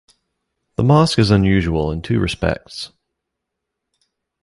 The mosque is unusual in two respects.